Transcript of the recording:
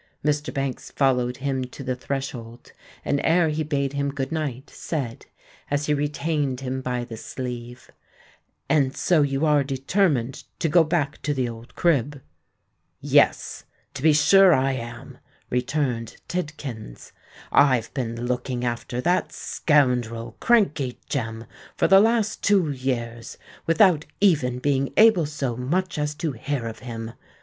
Mr. Banks followed him to the threshold, and, ere he bade him good night, said, as he retained him by the sleeve, "And so you are determined to go back to the old crib?" "Yes—to be sure I am," returned Tidkins. "I've been looking after that scoundrel Crankey Jem for the last two years, without even being able so much as to hear of him.